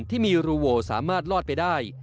ที่มีรูโวสามารถลอดไปได้